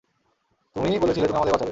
তুমি বলেছিলে তুমি আমাদের বাঁচাবে।